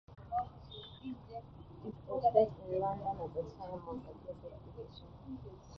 It is set in London at the time of the Great Exhibition.